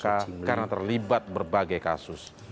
karena terlibat berbagai kasus